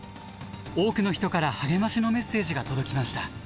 多くの人から励ましのメッセージが届きました。